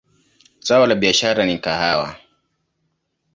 Zao la biashara ni kahawa.